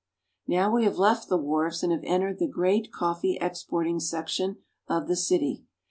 Now we have left the wharves and have entered the great coffee exporting section of the city.